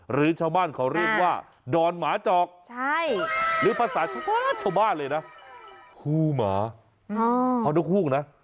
หรือชาวบ้านเขาเรียกว่าดอนหมาจอกหรือภาษาชาวบ้านเลยนะฮู้หมา